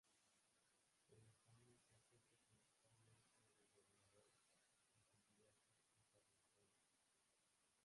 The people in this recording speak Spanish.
Con los años se ha opuesto principalmente a los Vengadores en sus diversas encarnaciones.